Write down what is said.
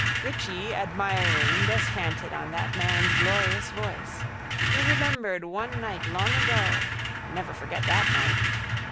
Richie, admiring, descanted on that man's glorious voice. He remembered one night long ago. Never forget that night.